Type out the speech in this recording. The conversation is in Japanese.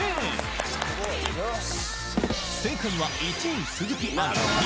正解は１位鈴木亜美